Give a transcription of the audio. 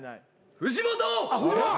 藤本！